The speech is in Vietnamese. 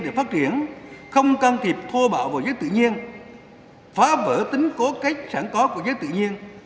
để phát triển không can thiệp thô bạo vào giới tự nhiên phá vỡ tính cố cách sẵn có của giới tự nhiên